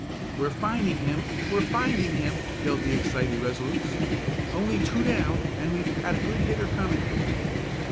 "We're finding him! We're finding him!" yelled the excited Resolutes. "Only two down, and we've got a good hitter coming."